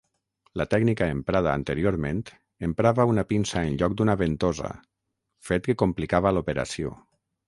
La tècnica emprada anteriorment emprava una pinça en lloc d'una ventosa fet que complicava l'operació.